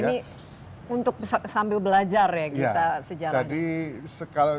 ini untuk sambil belajar ya kita sejarahnya